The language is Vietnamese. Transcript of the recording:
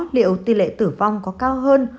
liệu tỷ lệ tử vong có cao hơn